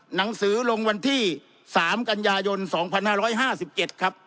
หนังสือลงวันที่๓กันยายน๒๕๕๗ครับ